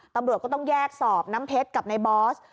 ตำรวจก็ต้องแยกสอบน้ำเพชรกับในบอส